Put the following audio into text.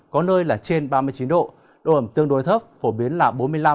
có nơi là trên ba mươi chín độ độ ẩm tương đối thấp phổ biến là bốn mươi năm sáu mươi năm